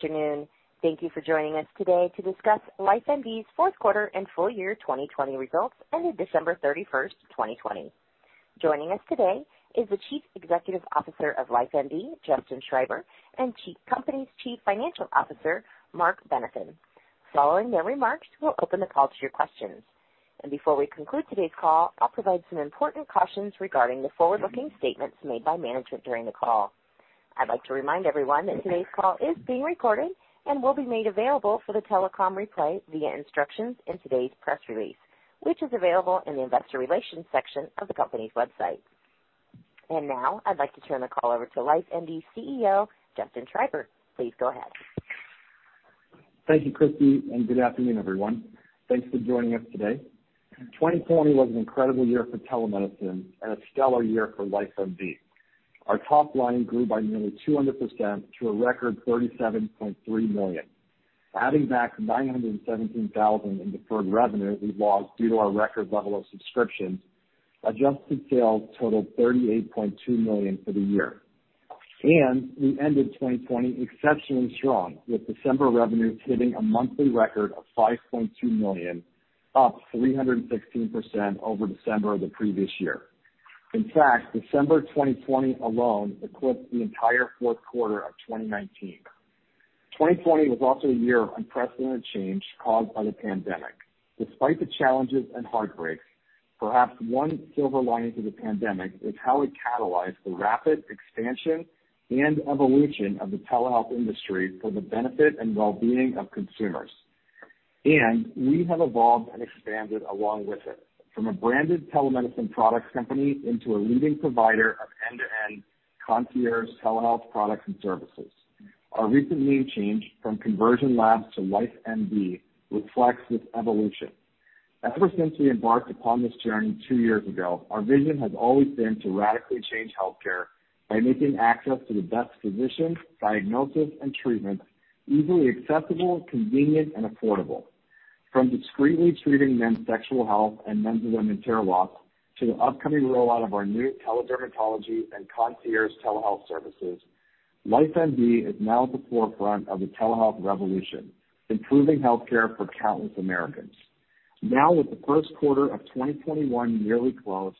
Good afternoon. Thank you for joining us today to discuss LifeMD's fourth quarter and full year 2020 results ended December 31, 2020. Joining us today is the Chief Executive Officer of LifeMD, Justin Schreiber, and the company's Chief Financial Officer, Marc Benison. Following their remarks, we'll open the call to your questions. And before we conclude today's call, I'll provide some important cautions regarding the forward-looking statements made by management during the call. I'd like to remind everyone that today's call is being recorded and will be made available for the telecom replay via instructions in today's press release, which is available in the investor relations section of the company's website. And now, I'd like to turn the call over to LifeMD's CEO, Justin Schreiber. Please go ahead. Thank you, Christy, and good afternoon, everyone. Thanks for joining us today. 2020 was an incredible year for telemedicine and a stellar year for LifeMD. Our top line grew by nearly 200% to a record $37.3 million. Adding back $917,000 in deferred revenue we've lost due to our record level of subscriptions, adjusted sales totaled $38.2 million for the year. And we ended 2020 exceptionally strong, with December revenues hitting a monthly record of $5.2 million, up 316% over December of the previous year. In fact, December 2020 alone eclipsed the entire fourth quarter of 2019. 2020 was also a year of unprecedented change caused by the pandemic. Despite the challenges and heartbreaks, perhaps one silver lining to the pandemic is how it catalyzed the rapid expansion and evolution of the telehealth industry for the benefit and well-being of consumers. And we have evolved and expanded along with it, from a branded telemedicine products company into a leading provider of end-to-end concierge telehealth products and services. Our recent name change from Conversion Labs to LifeMD reflects this evolution. Ever since we embarked upon this journey two years ago, our vision has always been to radically change healthcare by making access to the best physicians, diagnosis, and treatment easily accessible, convenient, and affordable. From discreetly treating men's sexual health and men's and women's hair loss, to the upcoming rollout of our new teledermatology and concierge telehealth services, LifeMD is now at the forefront of the telehealth revolution, improving healthcare for countless Americans. Now, with the first quarter of 2021 nearly closed,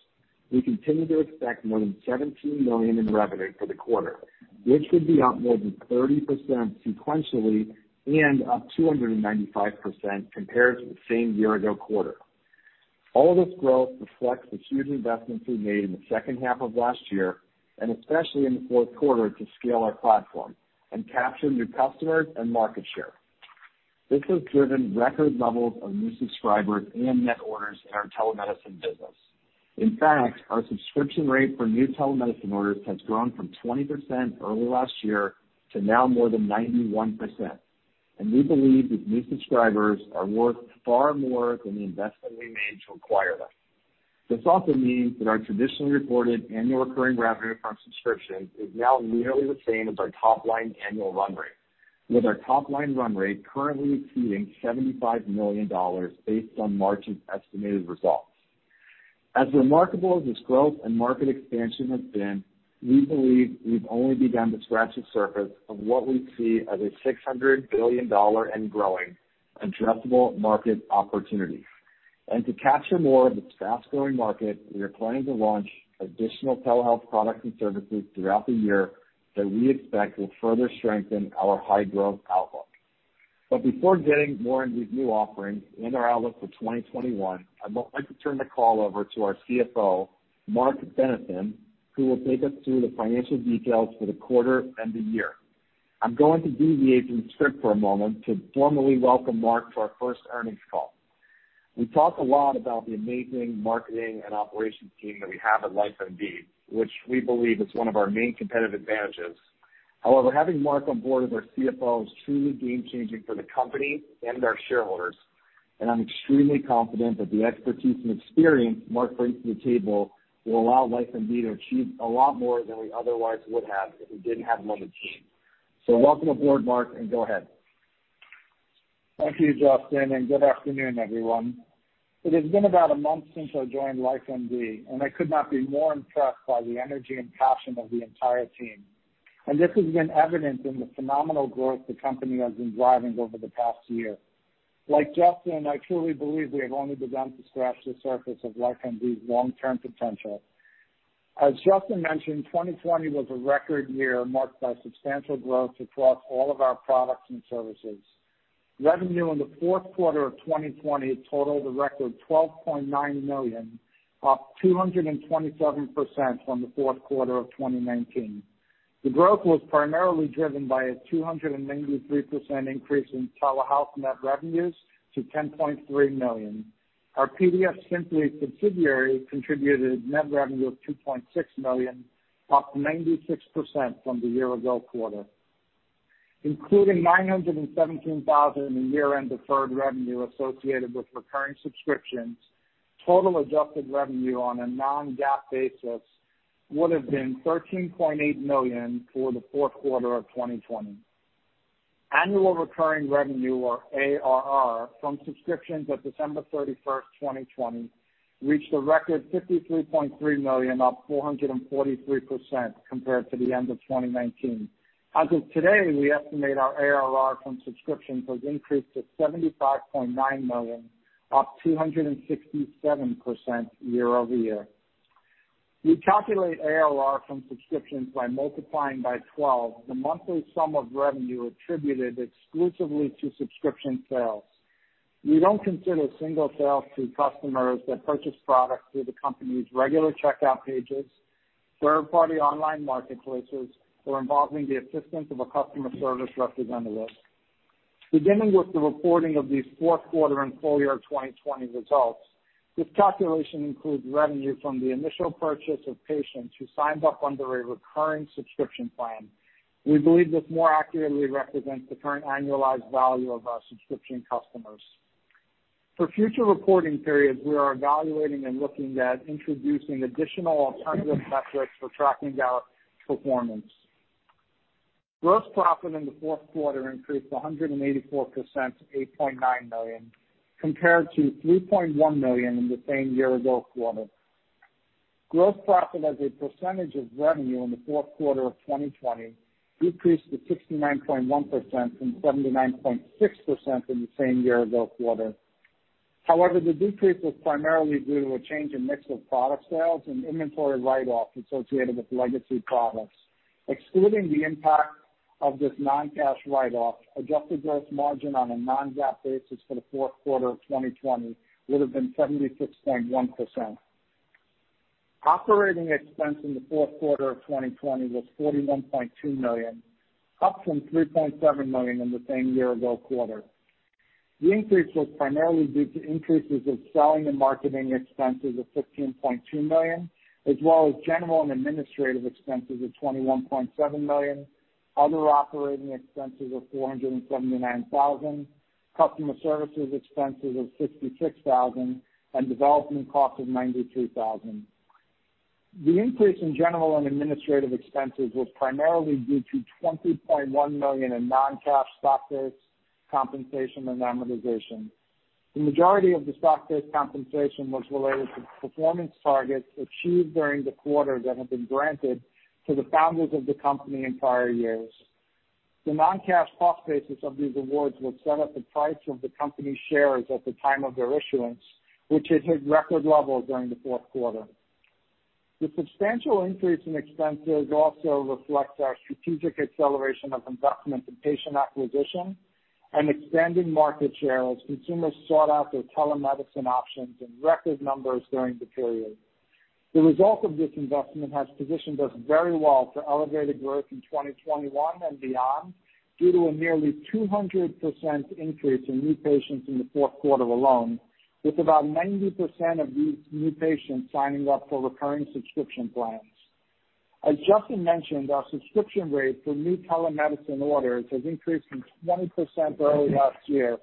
we continue to expect more than $17 million in revenue for the quarter, which would be up more than 30% sequentially and up 295% compared to the same year-ago quarter. All this growth reflects the huge investments we made in the second half of last year, and especially in the fourth quarter, to scale our platform and capture new customers and market share. This has driven record levels of new subscribers and net orders in our telemedicine business. In fact, our subscription rate for new telemedicine orders has grown from 20% early last year to now more than 91%, and we believe these new subscribers are worth far more than the investment we made to acquire them. This also means that our traditionally reported annual recurring revenue from subscriptions is now nearly the same as our top-line annual run rate, with our top-line run rate currently exceeding $75 million based on March's estimated results. As remarkable as this growth and market expansion has been, we believe we've only begun to scratch the surface of what we see as a $600 billion and growing addressable market opportunity. And to capture more of this fast-growing market, we are planning to launch additional telehealth products and services throughout the year that we expect will further strengthen our high-growth outlook. But before getting more into these new offerings and our outlook for 2021, I'd now like to turn the call over to our CFO, Marc Benison, who will take us through the financial details for the quarter and the year. I'm going to deviate from the script for a moment to formally welcome Marc to our first earnings call. We talk a lot about the amazing marketing and operations team that we have at LifeMD, which we believe is one of our main competitive advantages. However, having Marc on board as our CFO is truly game changing for the company and our shareholders, and I'm extremely confident that the expertise and experience Marc brings to the table will allow LifeMD to achieve a lot more than we otherwise would have if we didn't have him on the team. So welcome aboard, Marc, and go ahead. Thank you, Justin, and good afternoon, everyone. It has been about a month since I joined LifeMD, and I could not be more impressed by the energy and passion of the entire team, and this has been evident in the phenomenal growth the company has been driving over the past year. Like Justin, I truly believe we have only begun to scratch the surface of LifeMD's long-term potential. As Justin mentioned, 2020 was a record year marked by substantial growth across all of our products and services. Revenue in the fourth quarter of 2020 totaled a record $12.9 million, up 227% from the fourth quarter of 2019. The growth was primarily driven by a 293% increase in telehealth net revenues to $10.3 million. Our PDFSimpli subsidiary contributed net revenue of $2.6 million, up 96% from the year-ago quarter. Including $917,000 in year-end deferred revenue associated with recurring subscriptions, total adjusted revenue on a non-GAAP basis would have been $13.8 million for the fourth quarter of 2020. Annual recurring revenue, or ARR, from subscriptions at 12/31/2020, reached a record $53.3 million, up 443% compared to the end of 2019. As of today, we estimate our ARR from subscriptions has increased to $75.9 million, up 267% year-over-year. We calculate ARR from subscriptions by x12 the monthly sum of revenue attributed exclusively to subscription sales. We don't consider single sales to customers that purchase products through the company's regular checkout pages, third-party online marketplaces, or involving the assistance of a customer service representative. Beginning with the reporting of these fourth quarter and full year of 2020 results, this calculation includes revenue from the initial purchase of patients who signed up under a recurring subscription plan. We believe this more accurately represents the current annualized value of our subscription customers. For future reporting periods, we are evaluating and looking at introducing additional alternative metrics for tracking our performance. Gross profit in the fourth quarter increased 184% to $8.9 million, compared to $3.1 million in the same year ago quarter. Gross profit as a percentage of revenue in the fourth quarter of 2020 decreased to 69.1% from 79.6% in the same year ago quarter. However, the decrease was primarily due to a change in mix of product sales and inventory write-off associated with legacy products. Excluding the impact of this non-cash write-off, adjusted gross margin on a non-GAAP basis for the fourth quarter of 2020 would have been 76.1%. Operating expense in the fourth quarter of 2020 was $41.2 million, up from $3.7 million in the same year ago quarter. The increase was primarily due to increases of selling and marketing expenses of $15.2 million, as well as general and administrative expenses of $21.7 million, other operating expenses of $479,000, customer services expenses of $66,000, and development costs of $92,000. The increase in general and administrative expenses was primarily due to $20.1 million in non-cash stock-based compensation and amortization. The majority of the stock-based compensation was related to performance targets achieved during the quarter that had been granted to the founders of the company in prior years. The non-cash cost basis of these awards was set at the price of the company's shares at the time of their issuance, which had hit record levels during the fourth quarter. The substantial increase in expenses also reflects our strategic acceleration of investment in patient acquisition and expanding market share as consumers sought out their telemedicine options in record numbers during the period. The result of this investment has positioned us very well for elevated growth in 2021 and beyond, due to a nearly 200% increase in new patients in the fourth quarter alone, with about 90% of these new patients signing up for recurring subscription plans. As Justin mentioned, our subscription rate for new telemedicine orders has increased from 20% early last year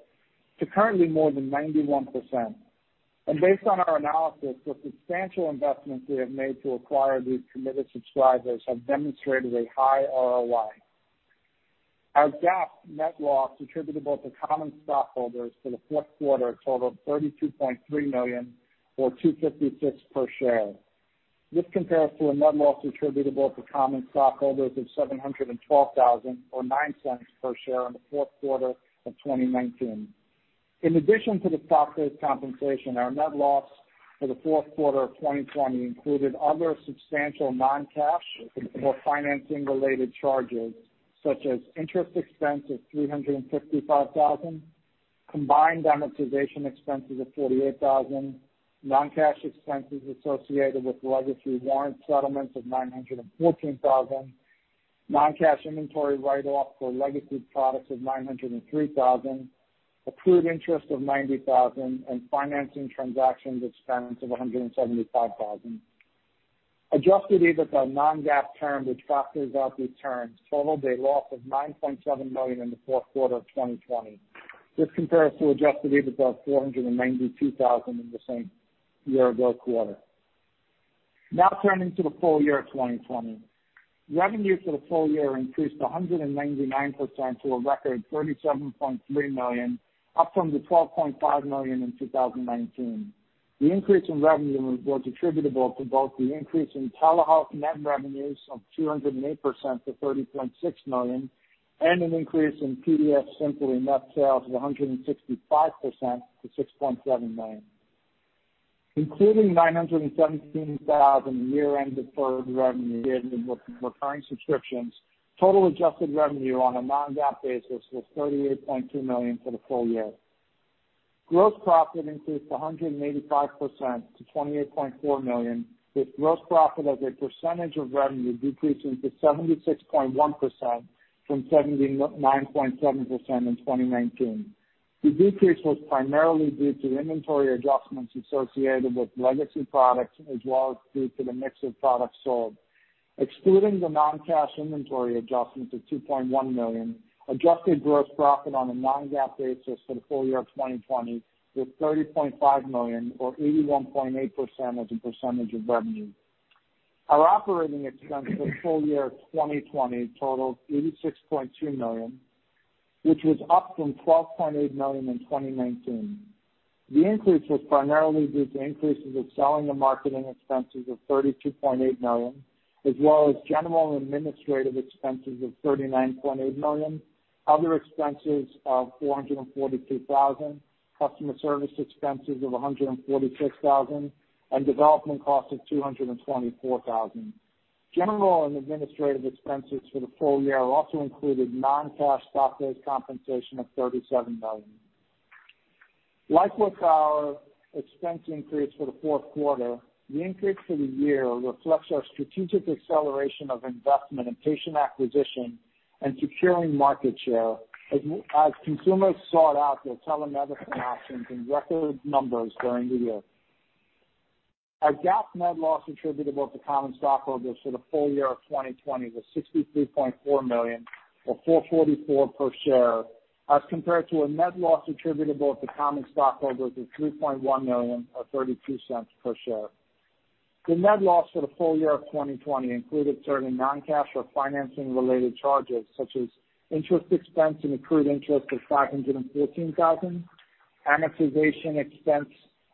to currently more than 91%. And based on our analysis, the substantial investments we have made to acquire these committed subscribers have demonstrated a high ROI. Our GAAP net loss attributable to common stockholders for the fourth quarter totaled $32.3 million, or $2.56 per share. This compares to a net loss attributable to common stockholders of $712,000, or $0.09 per share in the fourth quarter of 2019. In addition to the stock-based compensation, our net loss for the fourth quarter of 2020 included other substantial non-cash or financing-related charges, such as interest expense of $355,000, combined amortization expenses of $48,000, non-cash expenses associated with legacy warrant settlements of $914,000, non-cash inventory write-off for legacy products of $903,000, accrued interest of $90,000, and financing transactions expense of $175,000. Adjusted EBITDA, a non-GAAP term, which factors out these terms, totaled a loss of $9.7 million in the fourth quarter of 2020. This compares to Adjusted EBITDA of $492,000 in the same year-ago quarter. Now turning to the full year of 2020. Revenue for the full year increased 199% to a record $37.3 million, up from $12.5 million in 2019. The increase in revenue was attributable to both the increase in telehealth net revenues of 208% to $30.6 million, and an increase in PDFSimpli net sales of 165% to $6.7 million. Including $917,000 in year-end deferred revenue related to recurring subscriptions, total adjusted revenue on a non-GAAP basis was $38.2 million for the full year. Gross profit increased 185% to $28.4 million, with gross profit as a percentage of revenue decreasing to 76.1% from 79.7% in 2019. The decrease was primarily due to inventory adjustments associated with legacy products, as well as due to the mix of products sold. Excluding the non-cash inventory adjustments of $2.1 million, adjusted gross profit on a non-GAAP basis for the full year of 2020 was $30.5 million, or 81.8% as a percentage of revenue. Our operating expense for the full year of 2020 totaled $86.2 million, which was up from $12.8 million in 2019. The increase was primarily due to increases in selling and marketing expenses of $32.8 million, as well as general and administrative expenses of $39.8 million, other expenses of $442,000, customer service expenses of $146,000, and development costs of $224,000. General and administrative expenses for the full year also included non-cash stock-based compensation of $37 million. Like with our expense increase for the fourth quarter, the increase for the year reflects our strategic acceleration of investment in patient acquisition and securing market share as consumers sought out their telemedicine options in record numbers during the year. Our GAAP net loss attributable to common stockholders for the full year of 2020 was $63.4 million, or $0.44 per share, as compared to a net loss attributable to common stockholders of $3.1 million, or $0.32 per share. The net loss for the full year of 2020 included certain non-cash or financing-related charges, such as interest expense and accrued interest of $514,000, amortization expense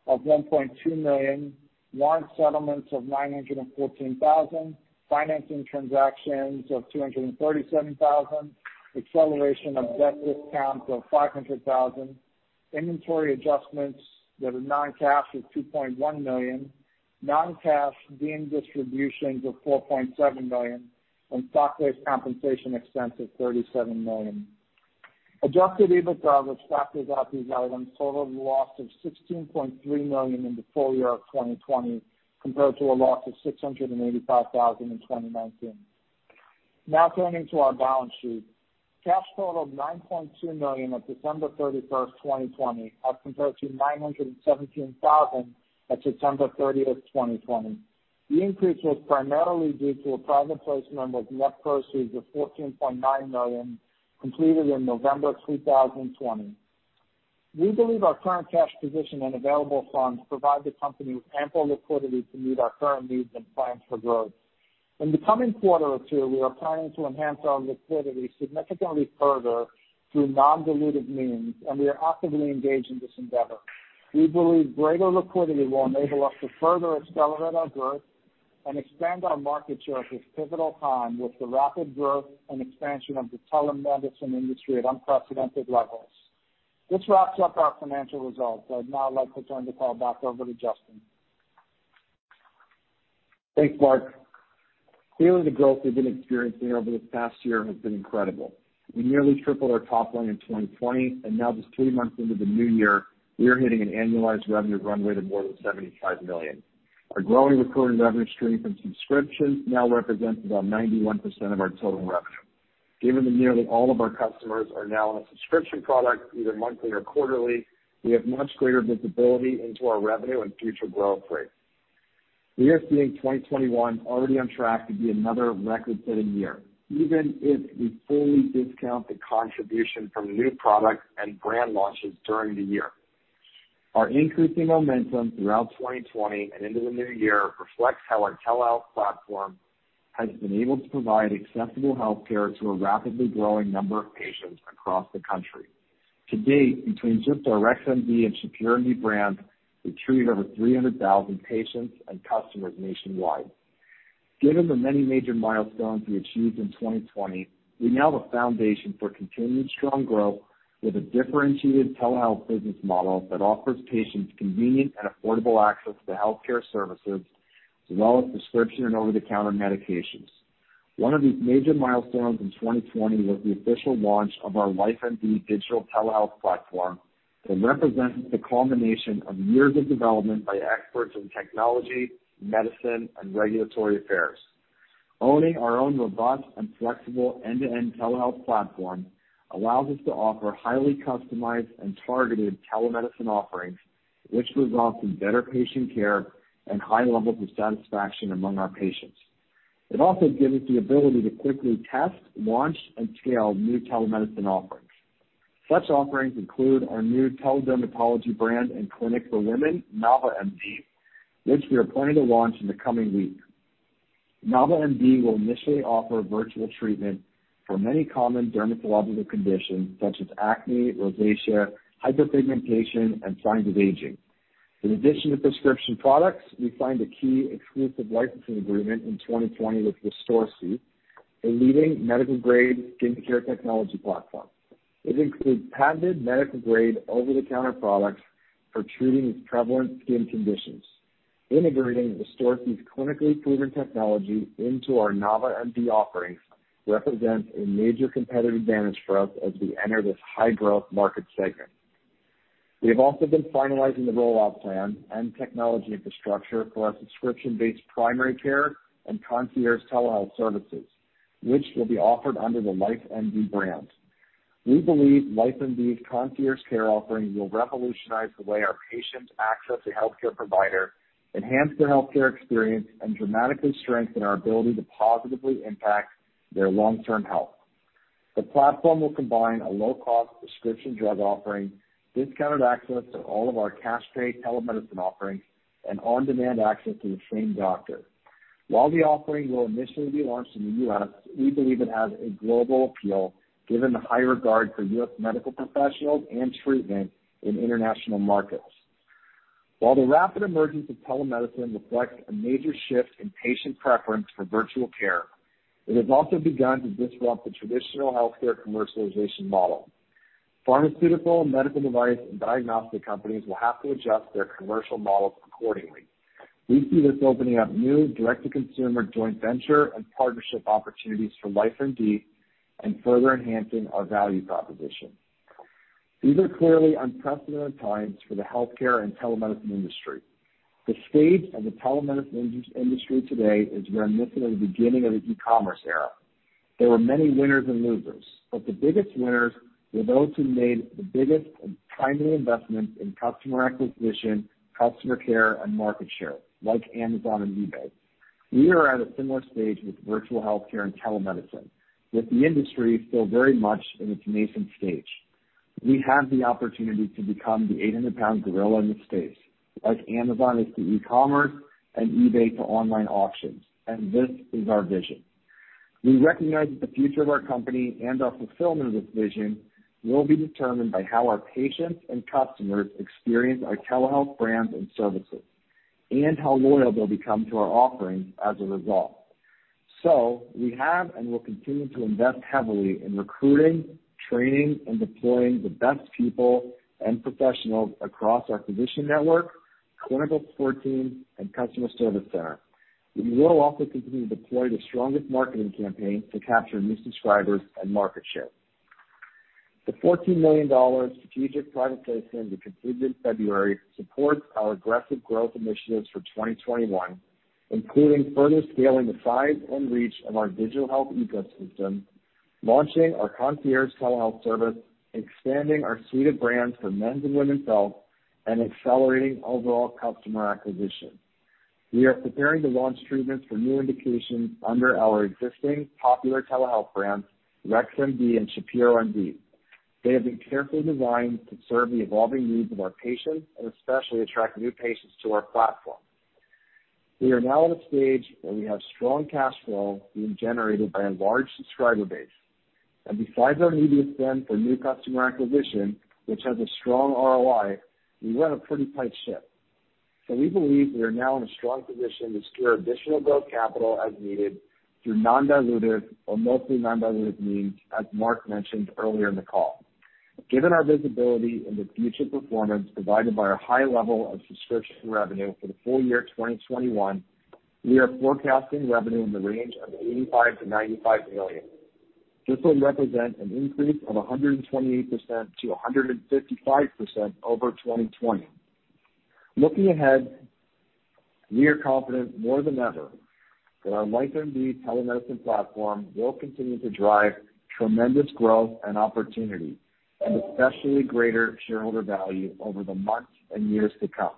of $1.2 million, warrant settlements of $914,000, financing transactions of $237,000, acceleration of debt discount of $500,000, inventory adjustments that are non-cash of $2.1 million, non-cash deemed distributions of $4.7 million, and stock-based compensation expense of $37 million. Adjusted EBITDA, which factors out these items, totaled a loss of $16.3 million in the full year of 2020, compared to a loss of $685,000 in 2019. Now turning to our balance sheet. Cash totaled $9.2 million on December 31, 2020, as compared to $917,000 at September 30, 2020. The increase was primarily due to a private placement of net proceeds of $14.9 million, completed in November of 2020. We believe our current cash position and available funds provide the company with ample liquidity to meet our current needs and plans for growth. In the coming quarter or two, we are planning to enhance our liquidity significantly further through non-dilutive means, and we are actively engaged in this endeavor. We believe greater liquidity will enable us to further accelerate our growth and expand our market share at this pivotal time, with the rapid growth and expansion of the telemedicine industry at unprecedented levels. This wraps up our financial results. I'd now like to turn the call back over to Justin. Thanks, Marc. Clearly, the growth we've been experiencing over this past year has been incredible. We nearly tripled our top line in 2020, and now just three months into the new year, we are hitting an annualized revenue runway to more than $75 million. Our growing recurring revenue stream from subscriptions now represents about 91% of our total revenue. Given that nearly all of our customers are now on a subscription product, either monthly or quarterly, we have much greater visibility into our revenue and future growth rate. We are seeing 2021 already on track to be another record-setting year, even if we fully discount the contribution from new products and brand launches during the year. Our increasing momentum throughout 2020 and into the new year reflects how our telehealth platform has been able to provide accessible healthcare to a rapidly growing number of patients across the country. To date, between just our Rex MD and Shapiro MD brands, we treated over 300,000 patients and customers nationwide. Given the many major milestones we achieved in 2020, we now have a foundation for continued strong growth with a differentiated telehealth business model that offers patients convenient and affordable access to healthcare services, as well as prescription and over-the-counter medications. One of these major milestones in 2020 was the official launch of our LifeMD digital telehealth platform that represents the culmination of years of development by experts in technology, medicine, and regulatory affairs. Owning our own robust and flexible end-to-end telehealth platform allows us to offer highly customized and targeted telemedicine offerings, which results in better patient care and high levels of satisfaction among our patients. It also gives us the ability to quickly test, launch, and scale new telemedicine offerings. Such offerings include our new teledermatology brand and clinic for women, Nava MD, which we are planning to launch in the coming weeks. Nava MD will initially offer virtual treatment for many common dermatological conditions such as acne, rosacea, hyperpigmentation, and signs of aging. In addition to prescription products, we signed a key exclusive licensing agreement in 2020 with Restorsea, a leading medical-grade skincare technology platform. It includes patented medical-grade, over-the-counter products for treating prevalent skin conditions. Integrating Restorsea's clinically proven technology into our Nava MD offerings represents a major competitive advantage for us as we enter this high-growth market segment. We have also been finalizing the rollout plan and technology infrastructure for our subscription-based primary care and concierge telehealth services, which will be offered under the LifeMD brand. We believe LifeMD's concierge care offering will revolutionize the way our patients access a healthcare provider, enhance their healthcare experience, and dramatically strengthen our ability to positively impact their long-term health. The platform will combine a low-cost prescription drug offering, discounted access to all of our cash pay telemedicine offerings, and on-demand access to the same doctor. While the offering will initially be launched in the U.S., we believe it has a global appeal, given the high regard for U.S. medical professionals and treatment in international markets. While the rapid emergence of telemedicine reflects a major shift in patient preference for virtual care, it has also begun to disrupt the traditional healthcare commercialization model. Pharmaceutical, medical device, and diagnostic companies will have to adjust their commercial models accordingly. We see this opening up new direct-to-consumer joint venture and partnership opportunities for LifeMD and further enhancing our value proposition. These are clearly unprecedented times for the healthcare and telemedicine industry. The stage of the telemedicine industry today is reminiscent of the beginning of the e-commerce era. There were many winners and losers, but the biggest winners were those who made the biggest and timely investments in customer acquisition, customer care, and market share, like Amazon and eBay. We are at a similar stage with virtual healthcare and telemedicine, with the industry still very much in its nascent stage. We have the opportunity to become the eight-hundred-pound gorilla in this space, like Amazon is to e-commerce and eBay to online auctions, and this is our vision. We recognize that the future of our company and our fulfillment of this vision will be determined by how our patients and customers experience our telehealth brands and services, and how loyal they'll become to our offerings as a result, so we have and will continue to invest heavily in recruiting, training, and deploying the best people and professionals across our physician network, clinical support team, and customer service center. We will also continue to deploy the strongest marketing campaign to capture new subscribers and market share. The $14 million strategic private placement that concluded in February supports our aggressive growth initiatives for 2021, including further scaling the size and reach of our digital health ecosystem, launching our concierge telehealth service, expanding our suite of brands for men's and women's health, and accelerating overall customer acquisition. We are preparing to launch treatments for new indications under our existing popular telehealth brands, Rex MD and Shapiro MD. They have been carefully designed to serve the evolving needs of our patients and especially attract new patients to our platform. We are now at a stage where we have strong cash flow being generated by a large subscriber base. And besides our media spend for new customer acquisition, which has a strong ROI, we run a pretty tight ship. So we believe we are now in a strong position to secure additional growth capital as needed through non-dilutive or mostly non-dilutive means, as Marc mentioned earlier in the call. Given our visibility in the future performance, provided by our high level of subscription revenue for the full year 2021, we are forecasting revenue in the range of $85 million-$95 million. This would represent an increase of 128%-155% over 2020. Looking ahead, we are confident more than ever that our LifeMD telemedicine platform will continue to drive tremendous growth and opportunity, and especially greater shareholder value over the months and years to come.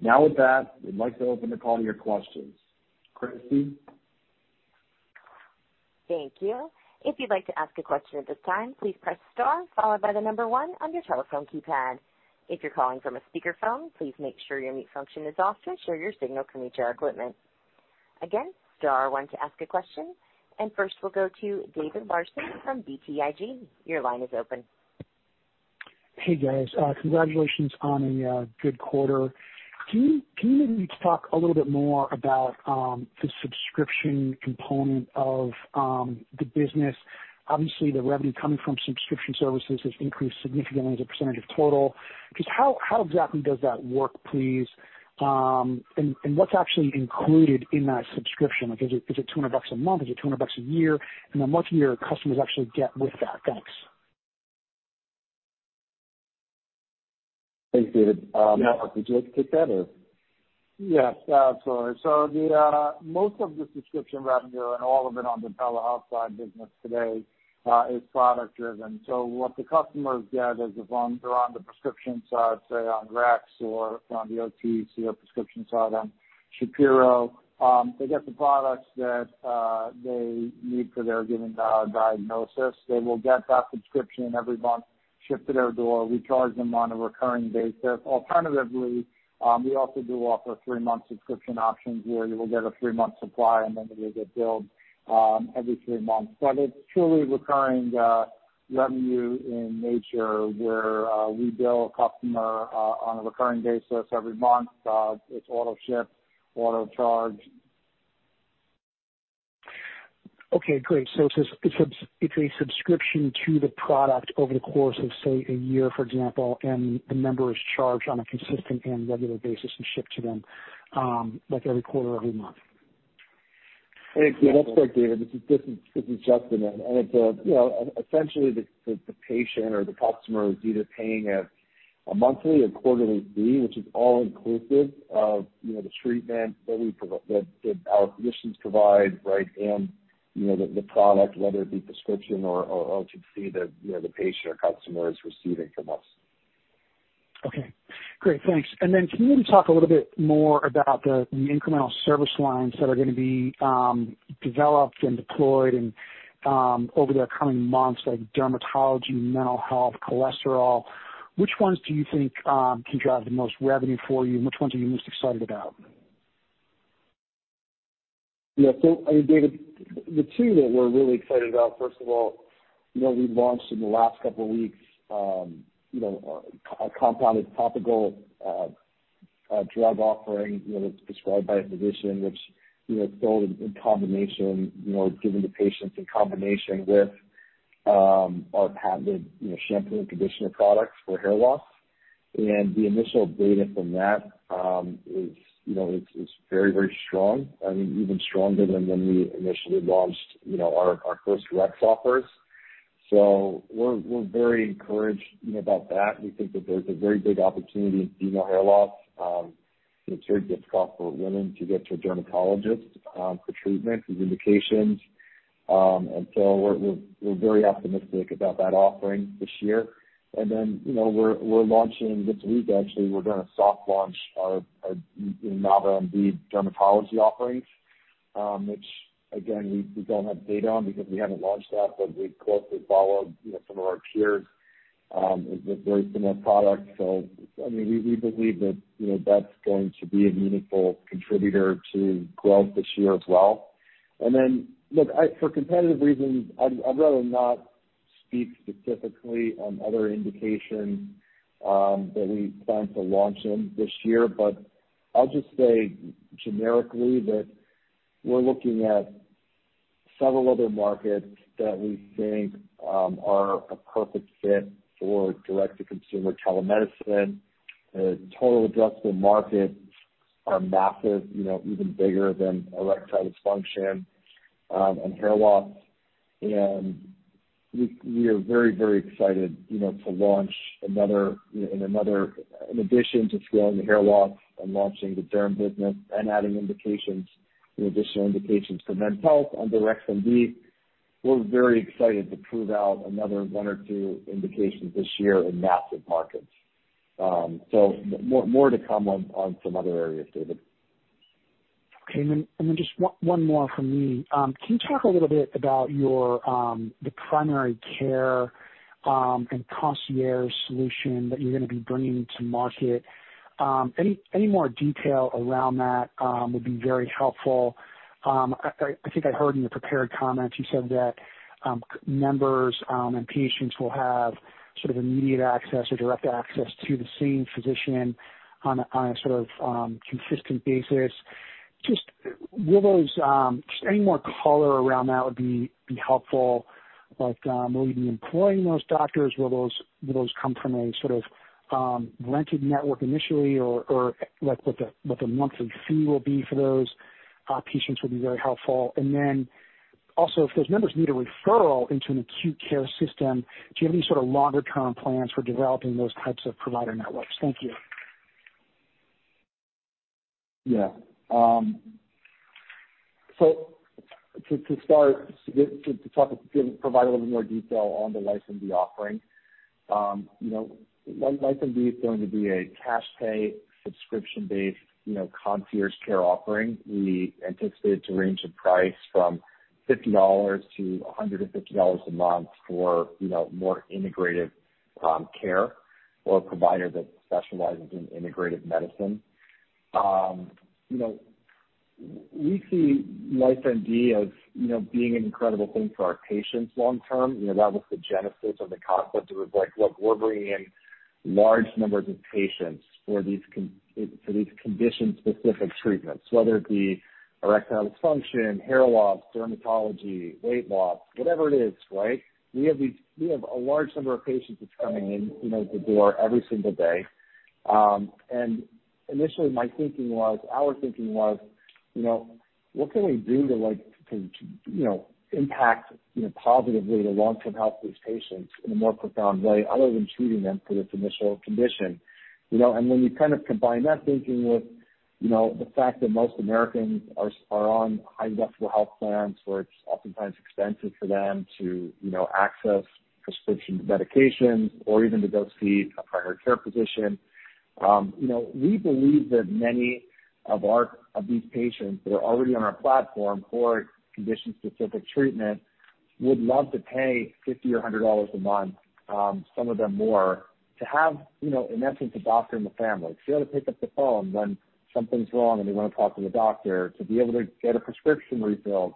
Now, with that, we'd like to open the call to your questions. Christy? Thank you. If you'd like to ask a question at this time, please press star followed by the number one on your telephone keypad. If you're calling from a speakerphone, please make sure your mute function is off to ensure your signal can reach our equipment. Again, star one to ask a question, and first we'll go to David Larsen from BTIG. Your line is open. Hey, guys, congratulations on a good quarter. Can you maybe talk a little bit more about the subscription component of the business? Obviously, the revenue coming from subscription services has increased significantly as a percentage of total. Just how exactly does that work, please? And what's actually included in that subscription? Like, is it $200 a month? Is it $200 a year? And then what do your customers actually get with that? Thanks. Thanks, David. Marc, would you like to take that or? Yes, absolutely. So the most of the subscription revenue and all of it on the telehealth side business today is product driven. So what the customers get is if they're on the prescription side, say, on Rex or on the OTC or prescription side on Shapiro, they get the products that they need for their given diagnosis. They will get that subscription every month, shipped to their door. We charge them on a recurring basis. Alternatively, we also do offer three-month subscription options, where you will get a three-month supply, and then you will get billed every three months. But it's truly recurring revenue in nature, where we bill a customer on a recurring basis every month. It's auto-ship, auto-charge. Okay, great. So it's a subscription to the product over the course of, say, a year, for example, and the member is charged on a consistent and regular basis and shipped to them, like every quarter or every month? Exactly. Yeah, that's right, David. This is Justin. And it's, you know, essentially the patient or the customer is either paying a monthly or quarterly fee, which is all inclusive of, you know, the treatment that our physicians provide, right? And, you know, the product, whether it be prescription or OTC, that, you know, the patient or customer is receiving from us.... Okay, great, thanks. And then can you maybe talk a little bit more about the incremental service lines that are gonna be developed and deployed and over the coming months, like dermatology, mental health, cholesterol? Which ones do you think can drive the most revenue for you, and which ones are you most excited about? Yeah. So, I mean, David, the two that we're really excited about, first of all, you know, we launched in the last couple weeks, you know, a compounded topical drug offering, you know, that's prescribed by a physician, which, you know, filled in combination, you know, given to patients in combination with our patented, you know, shampoo and conditioner products for hair loss. And the initial data from that is, you know, is very, very strong. I mean, even stronger than when we initially launched, you know, our first Rex offers. So we're very encouraged, you know, about that. We think that there's a very big opportunity in female hair loss. It's very difficult for women to get to a dermatologist for treatment and indications. And so we're very optimistic about that offering this year. And then, you know, we're launching this week, actually. We're gonna soft launch our, you know, Nava MD dermatology offerings, which again, we don't have data on because we haven't launched that, but we've closely followed, you know, some of our peers with very similar products. So, I mean, we believe that, you know, that's going to be a meaningful contributor to growth this year as well. And then, look, for competitive reasons, I'd rather not speak specifically on other indications that we plan to launch in this year, but I'll just say generically that we're looking at several other markets that we think are a perfect fit for direct-to-consumer telemedicine. The total addressable markets are massive, you know, even bigger than erectile dysfunction and hair loss. We are very, very excited, you know, to launch another in addition to growing the hair loss and launching the derm business and adding indications, you know, additional indications for men's health on Rex MD. We're very excited to prove out another one or two indications this year in massive markets. So more to come on some other areas, David. Okay. And then just one more from me. Can you talk a little bit about your primary care and concierge solution that you're gonna be bringing to market? Any more detail around that would be very helpful. I think I heard in the prepared comments you said that members and patients will have sort of immediate access or direct access to the same physician on a sort of consistent basis. Just any more color around that would be helpful. Like, will you be employing those doctors? Will those come from a sort of rented network initially or like, what the monthly fee will be for those patients would be very helpful. And then also, if those members need a referral into an acute care system, do you have any sort of longer term plans for developing those types of provider networks? Thank you. Yeah. So to start to talk provide a little more detail on the LifeMD offering. You know, LifeMD is going to be a cash pay, subscription-based, you know, concierge care offering. We anticipate it to range in price from $50 to $150 a month for, you know, more integrated care, or a provider that specializes in integrated medicine. You know, we see LifeMD as, you know, being an incredible thing for our patients long term. You know, that was the genesis of the concept. It was like, look, we're bringing in large numbers of patients for these condition-specific treatments, whether it be erectile dysfunction, hair loss, dermatology, weight loss, whatever it is, right? We have these, we have a large number of patients that's coming in, you know, the door every single day, and initially my thinking was, our thinking was, you know, what can we do to like, to, to, you know, impact, you know, positively the long-term health of these patients in a more profound way, other than treating them for this initial condition? You know, and when you kind of combine that thinking with, you know, the fact that most Americans are on high deductible health plans, where it's oftentimes expensive for them to, you know, access prescription medications or even to go see a primary care physician, you know, we believe that many of our these patients that are already on our platform for condition-specific treatment, would love to pay $50 or $100 a month, some of them more, to have, you know, in essence, a doctor in the family. To be able to pick up the phone when something's wrong and they wanna talk to the doctor, to be able to get a prescription refilled.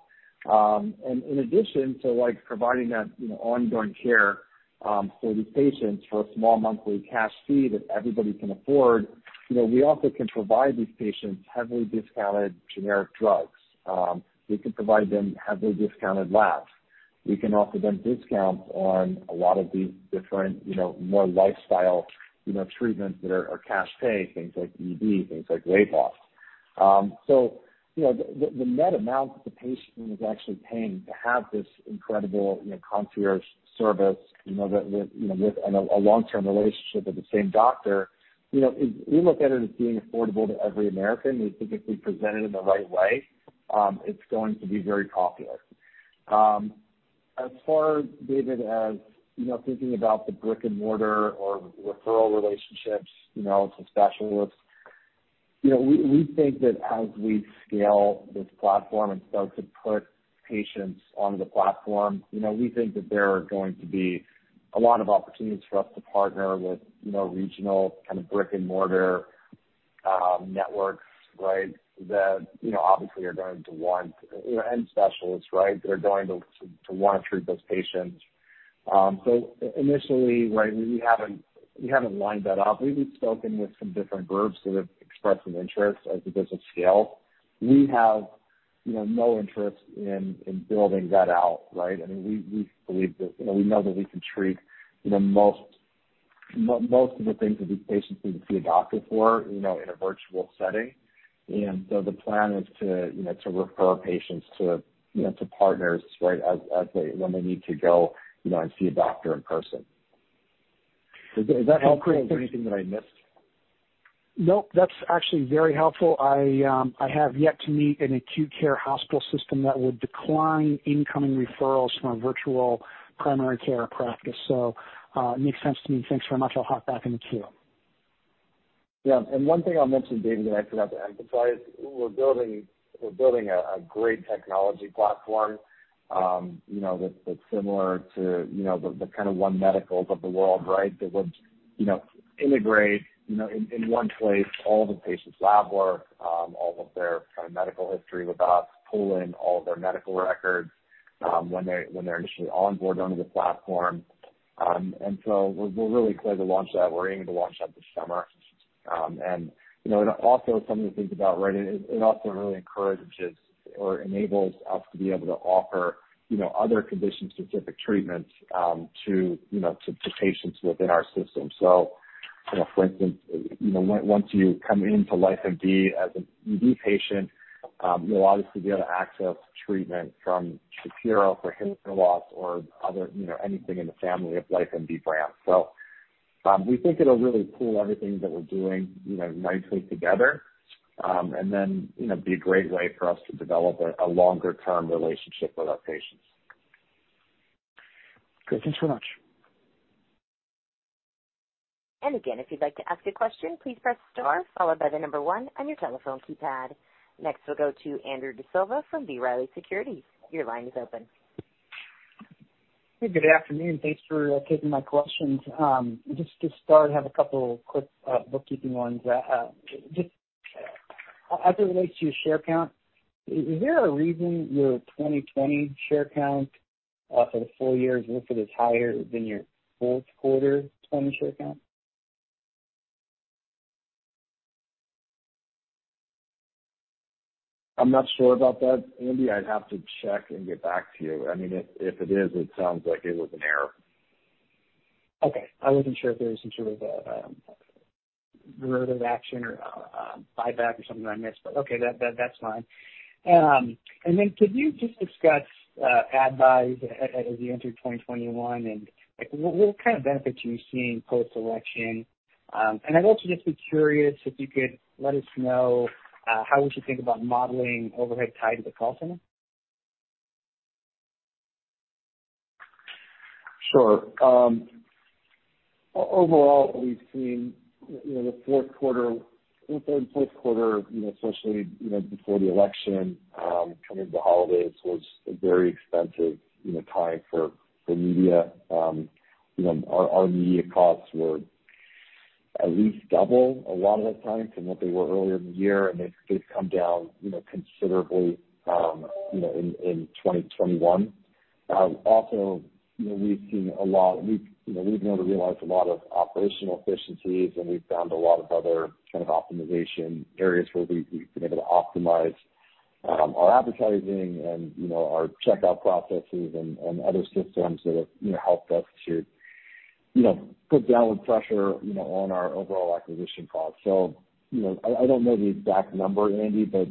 In addition to like providing that, you know, ongoing care for these patients for a small monthly cash fee that everybody can afford, you know, we also can provide these patients heavily discounted generic drugs. We can provide them heavily discounted labs. We can offer them discounts on a lot of these different, you know, more lifestyle, you know, treatments that are cash pay, things like ED, things like weight loss. You know, the net amount that the patient is actually paying to have this incredible, you know, concierge service, you know, with and a long-term relationship with the same doctor, you know, we look at it as being affordable to every American. We think if we present it in the right way, it's going to be very popular. As far, David, as, you know, thinking about the brick-and-mortar or referral relationships, you know, to specialists, you know, we, we think that as we scale this platform and start to put patients on the platform, you know, we think that there are going to be a lot of opportunities for us to partner with, you know, regional kind of brick-and-mortar, networks, right? That, you know, obviously are going to want, you know, and specialists, right, that are going to, to want to treat those patients. So initially, right, we haven't, we haven't lined that up. We've spoken with some different groups that have expressed some interest as the business scales. We have, you know, no interest in, in building that out, right? I mean, we believe that, you know, we know that we can treat, you know, most of the things that these patients need to see a doctor for, you know, in a virtual setting, and so the plan is to, you know, to refer patients to, you know, to partners, right, as they, when they need to go, you know, and see a doctor in person. Is that helpful? Is there anything that I missed? Nope, that's actually very helpful. I have yet to meet an acute care hospital system that would decline incoming referrals from a virtual primary care practice, so, it makes sense to me. Thanks very much. I'll hop back in the queue. Yeah, and one thing I'll mention, David, that I forgot to emphasize, we're building a great technology platform, you know, that's similar to, you know, the kind of One Medicals of the world, right? That would, you know, integrate, you know, in one place, all the patient's lab work, all of their kind of medical history with us, pull in all their medical records, when they're initially onboarded onto the platform. And so we're really close to launch that. We're aiming to launch that this summer. And you know, something to think about, right? It also really encourages or enables us to be able to offer, you know, other condition-specific treatments, to, you know, to patients within our system. So, you know, for instance, you know, once you come into LifeMD as an ED patient, you'll obviously be able to access treatment from Shapiro for hair loss or other, you know, anything in the family of LifeMD brands. So, we think it'll really pull everything that we're doing, you know, nicely together, and then, you know, be a great way for us to develop a longer-term relationship with our patients. Great. Thanks so much. Again, if you'd like to ask a question, please press star followed by the number one on your telephone keypad. Next, we'll go to Andrew D'Silva from B. Riley Securities. Your line is open. Hey, good afternoon. Thanks for taking my questions. Just to start, I have a couple quick bookkeeping ones. Just as it relates to your share count, is there a reason your 2020 share count for the full year is listed as higher than your fourth quarter 2020 share count? I'm not sure about that, Andy. I'd have to check and get back to you. I mean, if it is, it sounds like it was an error. Okay. I wasn't sure if there was some sort of course of action or buyback or something I missed, but okay, that's fine. And then could you just discuss ad buys as you enter 2021, and like what kind of benefits are you seeing post-election? And I'd also just be curious if you could let us know how would you think about modeling overhead tied to the call center? Sure. Overall, we've seen, you know, the fourth quarter, the third and fourth quarter, you know, especially, you know, before the election, coming into the holidays, was a very expensive, you know, time for media. You know, our media costs were at least double a lot of the time than what they were earlier in the year, and they've come down, you know, considerably, you know, in 2021. Also, you know, we've seen a lot, we've, you know, we've been able to realize a lot of operational efficiencies, and we've found a lot of other kind of optimization areas where we've, we've been able to optimize, our advertising and, you know, our checkout processes and, and other systems that have, you know, helped us to, you know, put downward pressure, you know, on our overall acquisition costs. So, you know, I don't know the exact number, Andy, but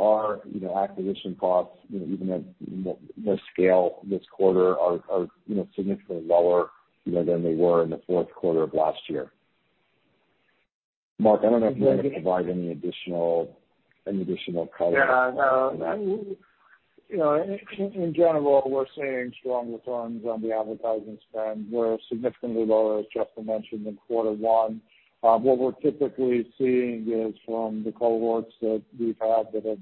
our, you know, acquisition costs, you know, even at this scale, this quarter, are, you know, significantly lower, you know, than they were in the fourth quarter of last year. Marc, I don't know if you want to provide any additional color? Yeah, no, you know, in general, we're seeing strong returns on the advertising spend. We're significantly lower, as Justin mentioned, in quarter one. What we're typically seeing is from the cohorts that we've had that have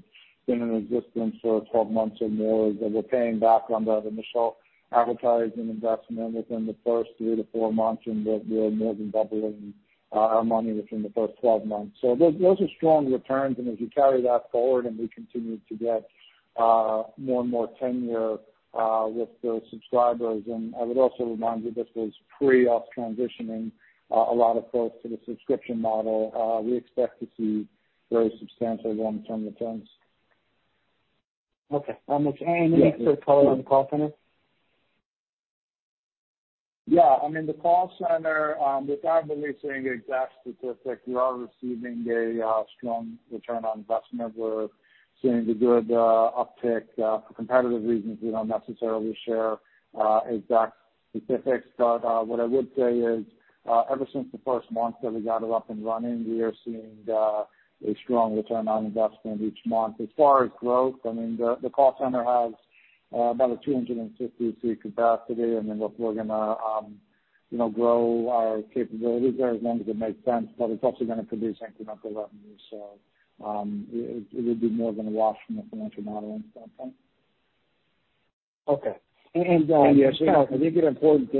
been in existence for twelve months or more, that we're paying back on the initial advertising investment within the first three to four months, and we're more than doubling our money within the first twelve months. So those are strong returns, and as we carry that forward and we continue to get more and more tenure with the subscribers, and I would also remind you, this was pre us transitioning a lot of folks to the subscription model, we expect to see very substantial long-term returns. Okay. Is there any extra color on the call center? Yeah, I mean, the call center, without releasing the exact statistics, we are receiving a strong return on investment. We're seeing a good uptick. For competitive reasons, we don't necessarily share exact specifics. But what I would say is, ever since the first month that we got it up and running, we are seeing a strong return on investment each month. As far as growth, I mean, the call center has about a 250-seat capacity, and then what we're gonna... you know, grow our capabilities there as long as it makes sense, but it's also gonna produce incremental revenue. So, it would be more of a wash from a financial modeling standpoint. Okay. And And I think an important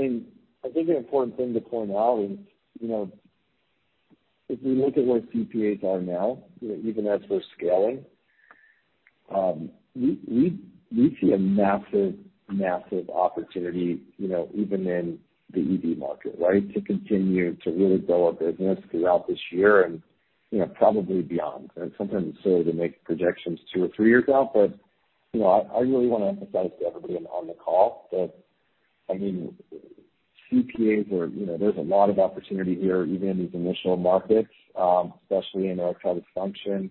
thing to point out is, you know, if we look at where CPAs are now, you know, even as we're scaling, we see a massive opportunity, you know, even in the ED market, right? To continue to really grow our business throughout this year and, you know, probably beyond. And it's sometimes silly to make projections two or three years out, but, you know, I really wanna emphasize to everybody on the call that, I mean, CPAs are, you know, there's a lot of opportunity here, even in these initial markets, especially in our telehealth.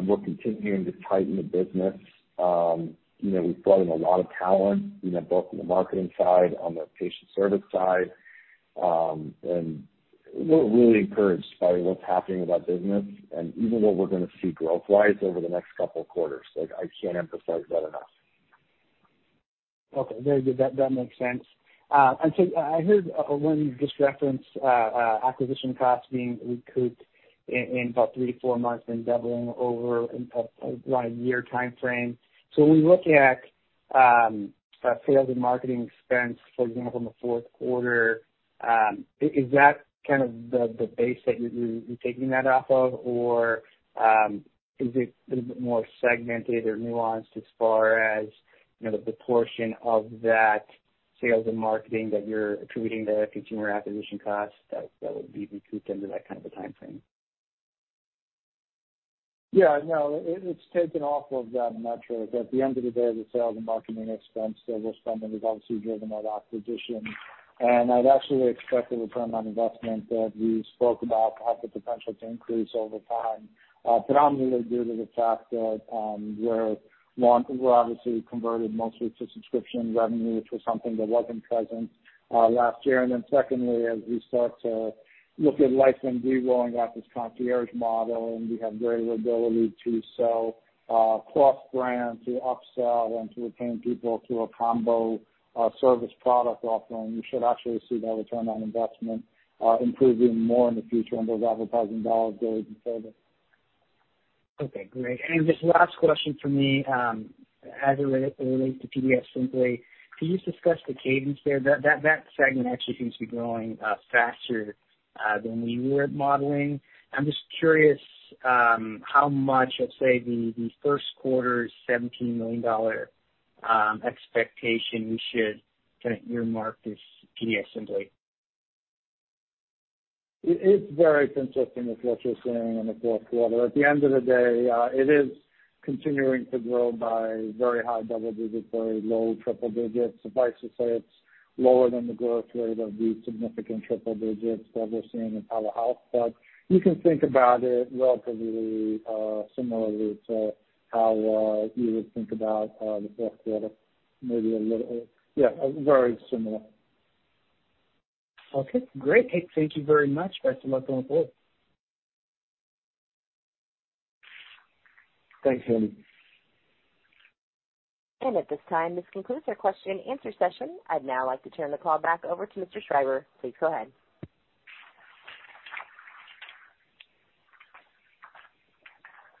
We're continuing to tighten the business. You know, we've brought in a lot of talent, you know, both on the marketing side, on the patient service side, and we're really encouraged by what's happening in that business and even what we're gonna see growth-wise over the next couple quarters. Like, I can't emphasize that enough. Okay, very good. That makes sense. And so I heard when you just referenced acquisition costs being recouped in about three to four months and doubling over in about a one-year timeframe. So when we look at our sales and marketing expense, for example, in the fourth quarter, is that kind of the base that you're taking that off of? Or is it a little bit more segmented or nuanced as far as, you know, the portion of that sales and marketing that you're attributing to future acquisition costs that would be recouped into that kind of a timeframe? Yeah, no, it's taken off of that metric. At the end of the day, the sales and marketing expense that we're spending is obviously driven by acquisition, and I'd actually expect the return on investment that we spoke about to have the potential to increase over time, predominantly due to the fact that we're obviously converted mostly to subscription revenue, which was something that wasn't present last year. And then secondly, as we start to look at LifeMD and re-rolling out this concierge model, and we have greater ability to sell cross-brand, to upsell, and to retain people through a combo service product offering, we should actually see that return on investment improving more in the future and those advertising dollars going further. Okay, great. And just last question for me, as it relates to PDFSimpli, can you just discuss the cadence there? That segment actually seems to be growing faster than we were modeling. I'm just curious how much of, say, the first quarter's $17 million expectation we should kind of earmark this PDFSimpli? It is very consistent with what you're seeing in the fourth quarter. At the end of the day, it is continuing to grow by very high double digits or low triple digits. Suffice to say, it's lower than the growth rate of the significant triple digits that we're seeing in telehealth. But you can think about it relatively, similarly to how you would think about the fourth quarter. Maybe a little... Yeah, very similar. Okay, great. Hey, thank you very much. Best of luck going forward. Thanks, Andy. At this time, this concludes our question and answer session. I'd now like to turn the call back over to Mr. Schreiber. Please go ahead.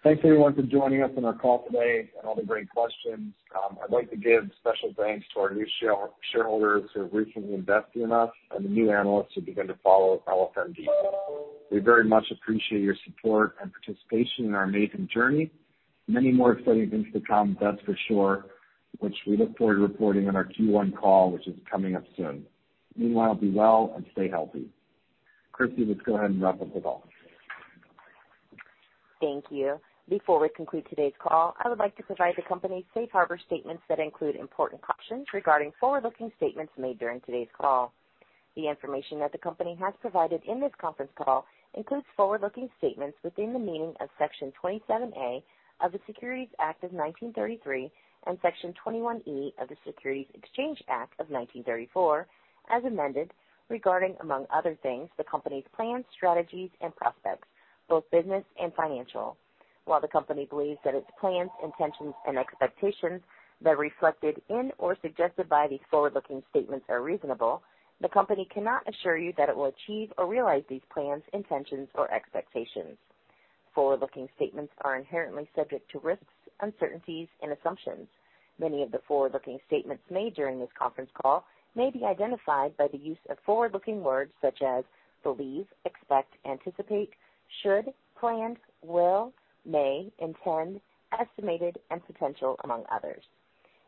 Thanks, everyone, for joining us on our call today and all the great questions. I'd like to give special thanks to our new shareholders who have recently invested in us and the new analysts who began to follow LifeMD. We very much appreciate your support and participation in our amazing journey. Many more exciting things to come, that's for sure, which we look forward to reporting on our Q1 call, which is coming up soon. Meanwhile, be well and stay healthy. Christy, let's go ahead and wrap up the call. Thank you. Before we conclude today's call, I would like to provide the company's safe harbor statements that include important cautions regarding forward-looking statements made during today's call. The information that the company has provided in this conference call includes forward-looking statements within the meaning of Section 27A of the Securities Act of 1933 and Section 21E of the Securities Exchange Act of 1934, as amended, regarding, among other things, the company's plans, strategies, and prospects, both business and financial. While the company believes that its plans, intentions, and expectations that are reflected in or suggested by these forward-looking statements are reasonable, the company cannot assure you that it will achieve or realize these plans, intentions, or expectations. Forward-looking statements are inherently subject to risks, uncertainties, and assumptions. Many of the forward-looking statements made during this conference call may be identified by the use of forward-looking words such as believe, expect, anticipate, should, plan, will, may, intend, estimated, and potential, among others.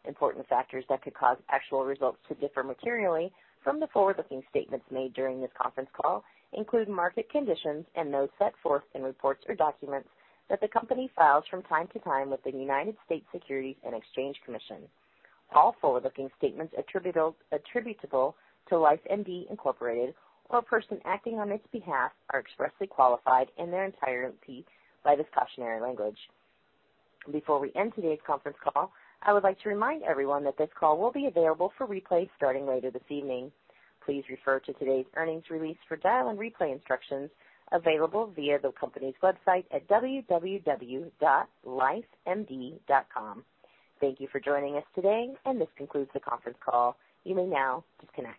Important factors that could cause actual results to differ materially from the forward-looking statements made during this conference call include market conditions and those set forth in reports or documents that the company files from time to time with the United States Securities and Exchange Commission. All forward-looking statements attributable to LifeMD, Inc., or a person acting on its behalf, are expressly qualified in their entirety by this cautionary language. Before we end today's conference call, I would like to remind everyone that this call will be available for replay starting later this evening. Please refer to today's earnings release for dial and replay instructions available via the company's website at www.lifemd.com. Thank you for joining us today, and this concludes the conference call. You may now disconnect.